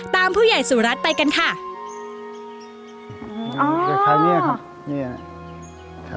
ตามผู้ใหญ่สู่รัฐไปกันค่ะอ๋อเหมือนกับเนี้ยครับเนี้ย